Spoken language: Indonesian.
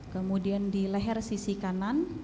kemudian di leher sisi kanan